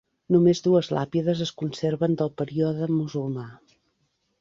Només dues làpides es conserven del període musulmà.